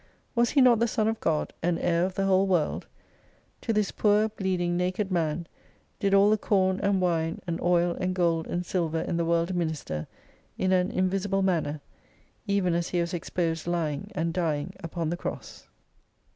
Was he not the Son of God ; and Heir of the whole world ? To this poor, bleeding, naked Man did all the corn and wine, and oil, and gold and silver in the world minister in an invisible manner, even as He was exposed lying and dying upon the Cross.